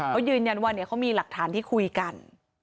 เขายืนยันว่าเขามีหลักฐานที่คุยกัน